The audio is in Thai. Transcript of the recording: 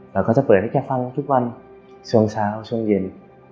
เราก็จะเปิดให้แกฟังทุกวันช่วงเช้าช่วงเย็น